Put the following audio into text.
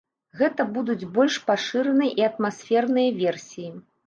Гэта будуць больш пашыраныя і атмасферныя версіі.